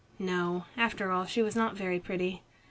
No, after all she was not very pretty."